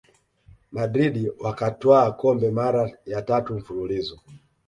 madrid wakatwaa kombe mara ya tatu mfululizo